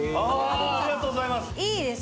ありがとうございます